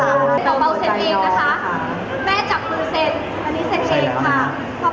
อันนี้เซ็ครับ